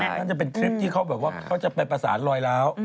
นั่นจะเป็นคลิปที่เขาแบบว่าเขาจะไปประสานรอยร้าว